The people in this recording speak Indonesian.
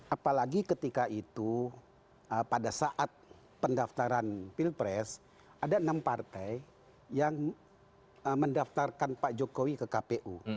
apalagi ketika itu pada saat pendaftaran pilpres ada enam partai yang mendaftarkan pak jokowi ke kpu